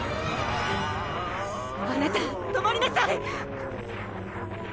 あなた止まりなさい！